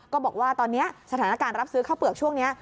บอกว่าตอนนี้สถานการณ์รับซื้อข้าวเปลือกช่วงนี้